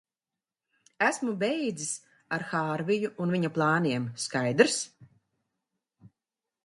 Esmu beidzis ar Hārviju un viņa plāniem, skaidrs?